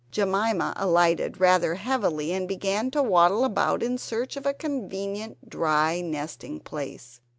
Jemima alighted rather heavily and began to waddle about in search of a convenient dry nesting place.